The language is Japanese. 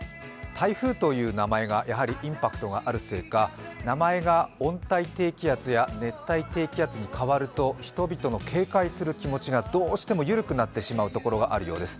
台風という名前がやはりインパクトがあるせいか名前が温帯低気圧や熱帯低気圧に変わると人々の警戒する気持ちがどうしても緩くなってしまうところがあるようです。